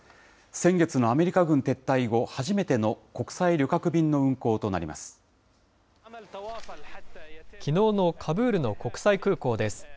先月のアメリカ軍撤退後、初めてきのうのカブールの国際空港です。